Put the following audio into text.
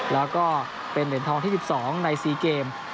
แล้วก็เป็นเหรียญทองที่๑๒ใน๔เกม